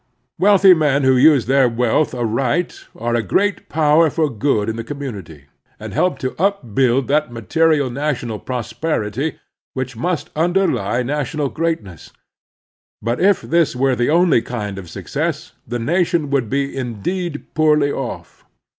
Wealthy men who use their wealth aright are a great power for good in the commtmity, and help to upbuild that material national prosperity which must imderlie national greatness ; but if this were the only kind of success, the nation would be indeed poorly off.